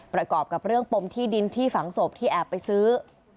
ประกอบกับเรื่องปมที่ดินที่ฝังศพที่แอบไปซื้อ